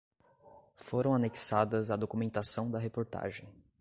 Foram anexadas à documentação da reportagem